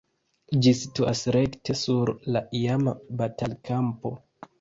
Ĝi situas rekte sur la iama batalkampo.